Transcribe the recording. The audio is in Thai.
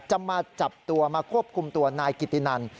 มาจับตัวมาควบคุมตัวนายกิตินัน